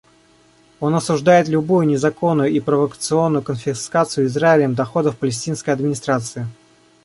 Он осуждает любую незаконную и провокационную конфискацию Израилем доходов Палестинской администрации.